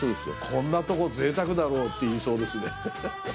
「こんなとこぜいたくだろう」って言いそうですねハハハ。